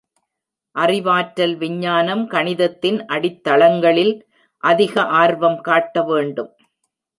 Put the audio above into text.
அறிவாற்றல் விஞ்ஞானம் கணிதத்தின் அடித்தளங்களில் அதிக ஆர்வம் காட்ட வேண்டும்.